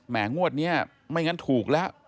แหม่งวดเนี่ยไม่งั้นถูกแล้ว